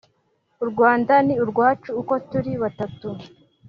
u rwanda ni urwacu uko turi batatu